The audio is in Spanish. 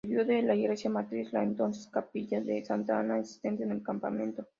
Sirvió de iglesia matriz la entonces Capilla de Santa Ana existente en el campamento.